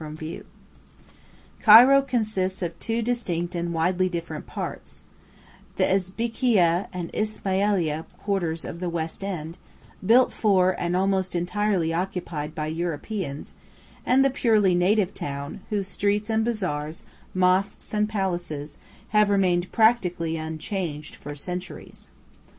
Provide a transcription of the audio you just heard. ] Cairo consists of two distinct and widely different parts, the Esbikiyeh and Ismailieh quarters of the west end, built for and almost entirely occupied by Europeans, and the purely native town, whose streets and bazaars, mosques and palaces, have remained practically unchanged for centuries.